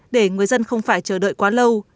để người dân không phải chờ đợi quá lâu